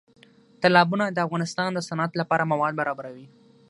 تالابونه د افغانستان د صنعت لپاره مواد برابروي.